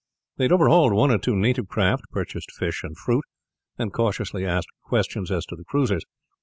They had overhauled one or two native craft, purchased fish and fruit, and cautiously asked questions as to the cruisers.